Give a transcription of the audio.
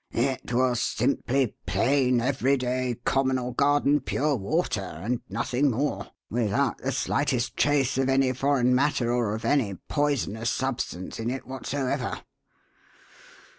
It was simply plain, everyday, common, or garden pure water, and nothing more, without the slightest trace of any foreign matter or of any poisonous substance in it whatsoever.